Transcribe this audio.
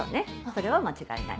それは間違いない。